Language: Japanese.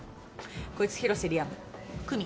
こいつ広瀬リアム。久実